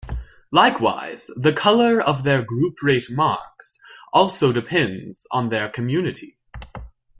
Likewise, the color of their group rate marks also depends on their community.